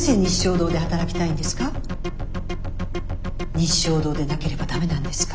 日粧堂でなければダメなんですか？